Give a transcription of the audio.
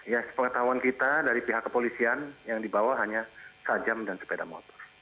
ya sepengetahuan kita dari pihak kepolisian yang dibawa hanya sajam dan sepeda motor